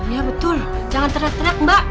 iya betul jangan teriak teriak mbak